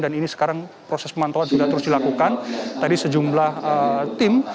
dan ini sekarang proses pemantauan sudah terus dilakukan tadi sejumlah tim